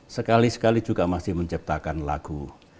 sekali sekali juga masih menciptakan lagu